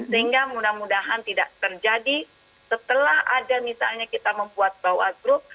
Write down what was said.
sehingga mudah mudahan tidak terjadi setelah ada misalnya kita membuat bawa group